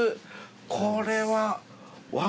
これは。